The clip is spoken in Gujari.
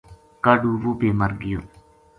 کاہڈ وہ بے مر گیو